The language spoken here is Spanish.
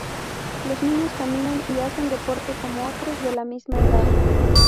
Los niños caminan y hacen deporte como otros de la misma edad.